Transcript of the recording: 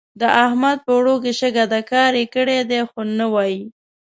د احمد په اوړو کې شګه ده؛ کار يې کړی دی خو نه وايي.